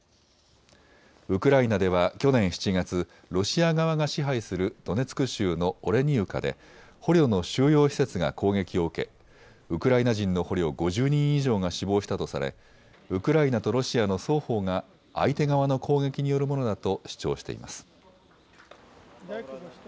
ウクライナでは去年７月、ロシア側が支配するドネツク州のオレニウカで捕虜の収容施設が攻撃を受けウクライナ人の捕虜５０人以上が死亡したとされウクライナとロシアの双方が相手側の攻撃によるものだと主張しています。